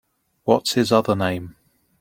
What’s his other name?